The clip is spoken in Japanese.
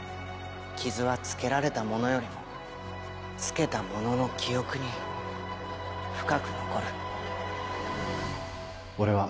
傷はつけられた者よりもつけた者の記憶に深く残る俺は。